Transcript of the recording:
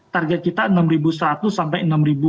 target kita enam seratus sampai enam dua ratus